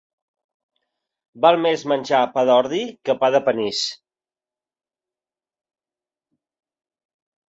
Val més menjar pa d'ordi que pa de panís.